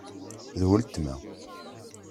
D weltma.